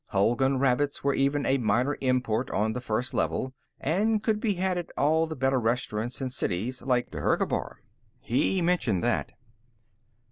Hulgun rabbits were even a minor import on the First Level, and could be had at all the better restaurants in cities like Dhergabar. He mentioned that.